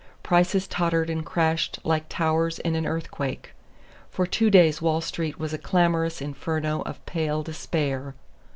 Prices tottered and crashed like towers in an earthquake. For two days Wall Street was a clamorous inferno of pale despair.